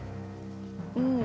うん。